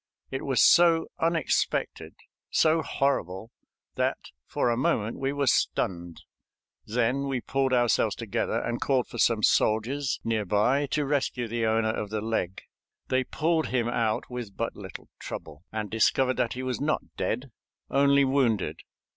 It was so unexpected, so horrible, that for a moment we were stunned. Then we pulled ourselves together and called to some soldiers near by to rescue the owner of the leg. They pulled him out with but little trouble, and discovered that he was not dead, only wounded.